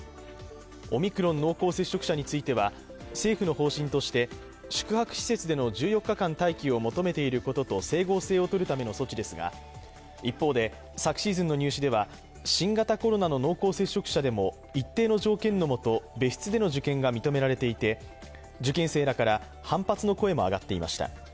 オミクロン濃厚接触者については政府の方針として宿泊施設での１４日間待機を求めていることと整合性をとるための措置ですが、一方で昨シーズンの入試では新型コロナの濃厚接触者でも一定の条件のもと別室での受験が認められていて受験生らから反発の声も上がっていました。